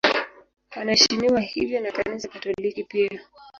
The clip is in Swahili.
Anaheshimiwa hivyo na Kanisa Katoliki pia.